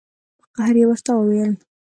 په قهر یې ورته وویل.